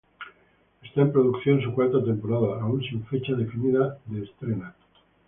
Está en producción su cuarta temporada, aún sin fecha definida de estrena.